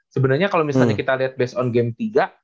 sebenarnya kalo misalnya kita liat base on game tiga